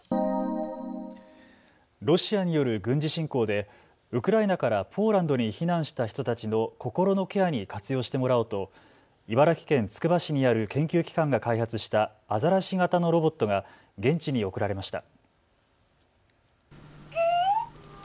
ロシアによる軍事侵攻でウクライナからポーランドに避難した人たちの心のケアに活用してもらおうと茨城県つくば市にある研究機関が開発したアザラシ型のロボットが現地に贈られました。